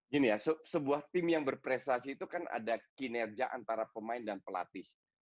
gini ya sebuah tim yang berprestasi itu kan ada kinerja antara pemain dan pelatih